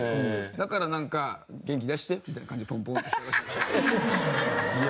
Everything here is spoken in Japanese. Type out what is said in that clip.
だからなんか「元気出して」みたいな感じでポンポンってしたらしいですよ。